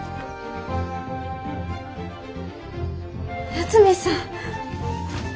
八海さん。